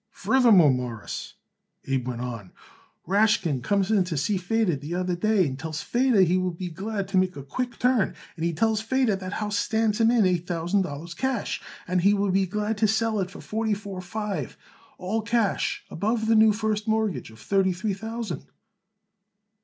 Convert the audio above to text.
"Furthermore, Mawruss," Abe went on, "Rashkin comes in to see Feder the other day and tells Feder he would be glad to make a quick turn. And he tells Feder that house stands him in eight thousand dollars cash and he would be glad to sell it for forty four five, all cash above the new first mortgage of thirty three thousand."